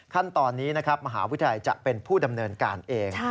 ขั้นตอนนี้นะครับมหาวิทยาลัยจะเป็นผู้ดำเนินการเอง